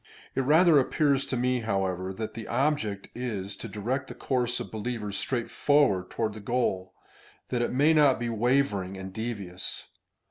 It rather appears to me, however, that his object is to direct the course of believers straight forward toward the goal, that it may not be wavering and devious.